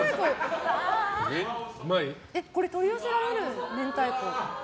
これ、取り寄せられる明太子？